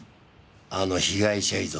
あの被害者遺族。